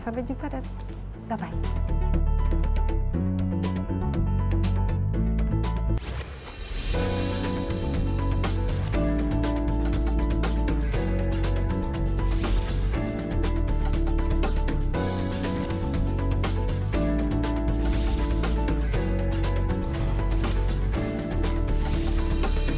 sampai jumpa dan bye bye